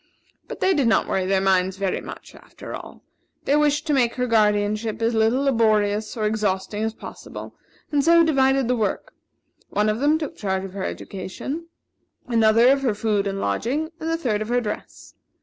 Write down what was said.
But they did not worry their minds very much, after all. They wished to make her guardianship as little laborious or exhausting as possible, and so, divided the work; one of them took charge of her education, another of her food and lodging, and the third of her dress.